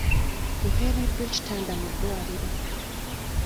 Mpereddwa ekitanda mu ddwaliro.